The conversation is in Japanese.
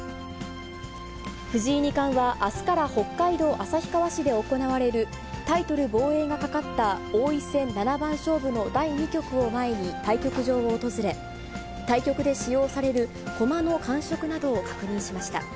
藤井二冠はあすから北海道旭川市で行われるタイトル防衛がかかった王位戦七番勝負の第２局を前に対局場を訪れ、対局で使用される駒の感触などを確認しました。